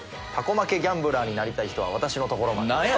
『タコ負けギャンブラー』になりたい人は私の所まで！」